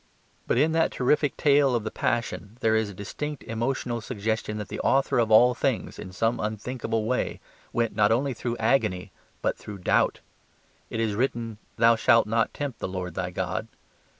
But in that terrific tale of the Passion there is a distinct emotional suggestion that the author of all things (in some unthinkable way) went not only through agony, but through doubt. It is written, "Thou shalt not tempt the Lord thy God."